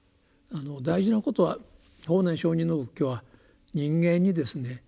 大事なことは法然上人の仏教は人間にですね